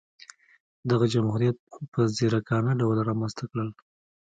دغه جمهوریت په ځیرکانه ډول رامنځته کړل.